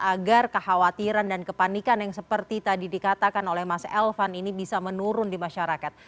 agar kekhawatiran dan kepanikan yang seperti tadi dikatakan oleh mas elvan ini bisa menurun di masyarakat